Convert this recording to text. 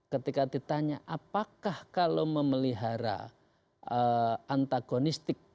ketika ditanya apakah kalau memelihara antagonistik